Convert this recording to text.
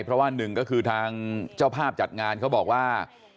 เพราะว่าหนึ่งก็คือทางเจ้าภาพจัดงานเขาบอกว่า